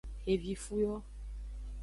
Xevifu yo.